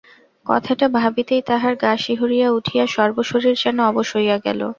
কথাটা ভাবিতেই তাহার গা শিহরিয়া উঠিয়া সর্বশরীর যেন অবশ হইয়া গেল।